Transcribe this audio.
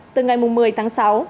từ ngày một mươi tháng sáu